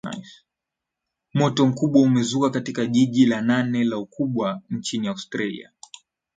moto mkubwa umezuka katika jiji la nane kwa ukubwa nchini australia